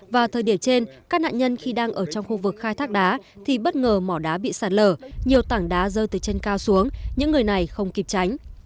vào thời điểm trên các nạn nhân khi đang ở trong khu vực khai thác đá thì bất ngờ mỏ đá bị sạt lở nhiều tảng đá rơi từ trên cao xuống những người này không kịp tránh